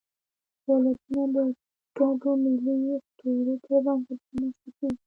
دولتونه د ګډو ملي اسطورو پر بنسټ رامنځ ته کېږي.